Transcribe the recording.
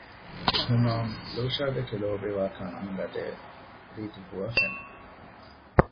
ހުމާމް ލޫޝާދެކެ ލޯބިވާކަން އަންގަދޭ ރީތި ހުވަފެނެއް